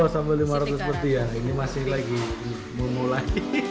sampai lima ratus peti ya ini masih lagi mau mulai